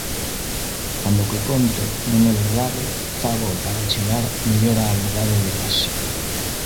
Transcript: Cando o que conto non é "verdade" fágoo para achegar mellor a verdade delas.